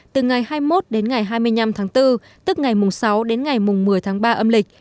từ ngày hai mươi một đến ngày hai mươi năm tháng bốn tức ngày mùng sáu đến ngày một mươi tháng ba âm lịch